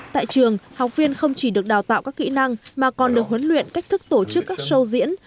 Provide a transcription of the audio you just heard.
tại trường học viên không chỉ được đào tạo các kỹ năng mà còn được huấn luyện cách thức tổ chức các show diễn